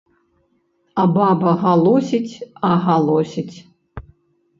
А баба галосіць а галосіць.